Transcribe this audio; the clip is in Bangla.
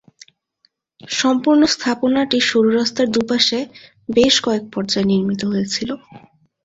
সম্পূর্ণ স্থাপনাটি সরু রাস্তার দুপাশে বেশ কয়েক পর্যায়ে নির্মিত হয়েছিল।